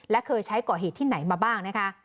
และเคยใช้ก่อเหตุที่ไหนมาบ้างนะคะ